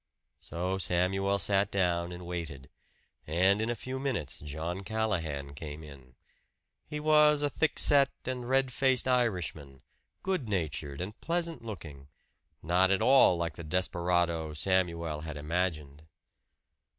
So Samuel sat down and waited; and in a few minutes John Callahan came in. He was a thick set and red faced Irishman, good natured and pleasant looking not at all like the desperado Samuel had imagined.